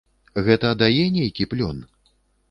Гэта дае нейкі плён?